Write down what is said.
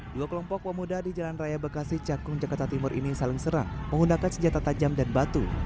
dua kelompok pemuda di jalan raya bekasi cakung jakarta timur ini saling serang menggunakan senjata tajam dan batu